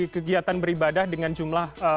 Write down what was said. kegiatan beribadah dengan jumlah